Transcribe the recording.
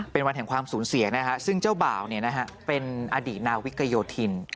เป็นวันแห่งความสูญเสียนะฮะซึ่งเจ้าบ่าวเป็นอดีตนาวิกโยธิน